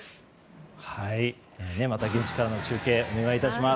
また現地から中継お願いします。